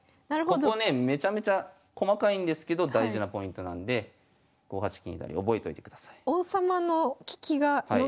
ここねめちゃめちゃ細かいんですけど大事なポイントなんで５八金左覚えといてください。